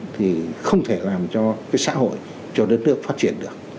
thì không thể làm cho cái xã hội cho đất nước phát triển được